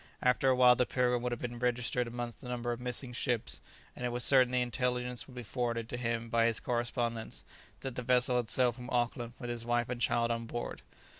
After a while the "Pilgrim" would have been registered amongst the number of missing ships; and it was certain the intelligence would be forwarded to him by his correspondents, that the vessel had sailed from Auckland with his wife and child on board.